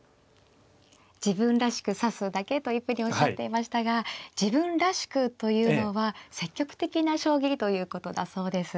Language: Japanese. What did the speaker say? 自分らしく指すだけというふうにおっしゃっていましたが自分らしくというのは積極的な将棋ということだそうです。